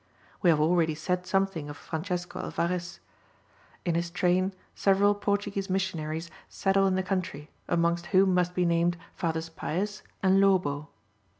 We have already said something of Francesco Alvarez; in his train several Portuguese missionaries settle in the country, amongst whom must be named Fathers Paez and Lobo.